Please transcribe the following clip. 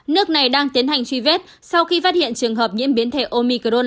nước này đang tiến hành truy vết sau khi phát hiện trường hợp nhiễm biến thể omicron